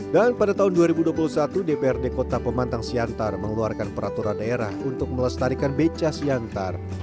dan pada tahun dua ribu dua puluh satu dprd kota pemantang siantar mengeluarkan peraturan daerah untuk melestarikan beca siantar